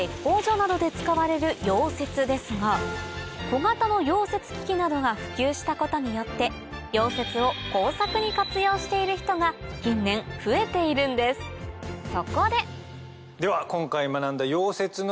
小型の溶接機器などが普及したことによって溶接を工作に活用している人が近年増えているんですそこででは。